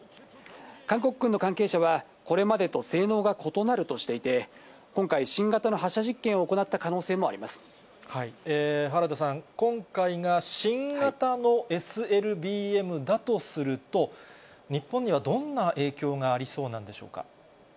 韓国の関係者はこれまでと性能が異なるとしていて、今回、新型の発射実験を行った可能性もありま原田さん、今回が新型のＳＬＢＭだとすると、日本にはどんな影響がありそうなんでしょうか。